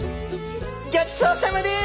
ギョちそうさまです。